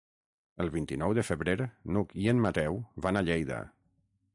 El vint-i-nou de febrer n'Hug i en Mateu van a Lleida.